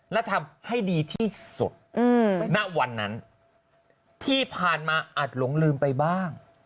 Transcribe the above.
และทำให้ดีที่สุดณวันนั้นที่ผ่านมาอาจหลงลืมไปบ้าง